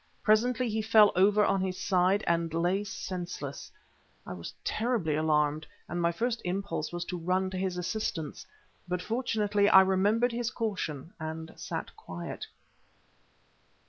Presently he fell over on his side, and lay senseless. I was terribly alarmed, and my first impulse was to run to his assistance, but fortunately I remembered his caution, and sat quiet.